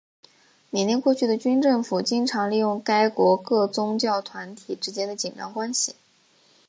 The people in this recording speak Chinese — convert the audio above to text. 缅甸过去的军政府经常利用该国各宗教团体之间的紧张关系。